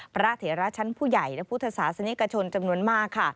พระราชเถราชั้นผู้ใหญ่และพุทธศาสนิกชนจำนวนมาก